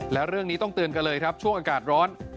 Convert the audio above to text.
แล้วเรื่องนี้ต้องเตือนกันเลยครับช่วงอากาศร้อน